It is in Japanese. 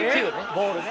ボールね。